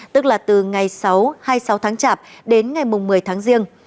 tức là từ ngày sáu hai mươi sáu tháng chạp đến ngày một mươi tháng riêng